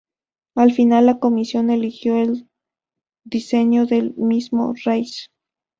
Al final, la comisión eligió el diseño del mismo Rice.